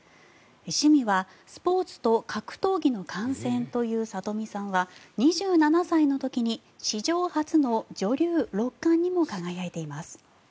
趣味は、スポーツと格闘技の観戦という里見さんは２７歳の時に史上初の女流六冠にも輝いています。